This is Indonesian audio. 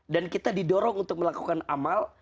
dan kita didorong untuk melakukan amal